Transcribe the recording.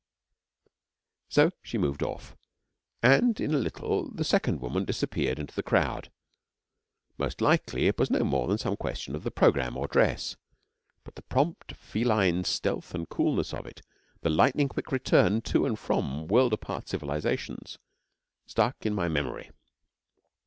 So she moved off, and, in a little, the second woman disappeared into the crowd. Most likely it was no more than some question of the programme or dress, but the prompt, feline stealth and coolness of it, the lightning quick return to and from world apart civilisations stuck in my memory.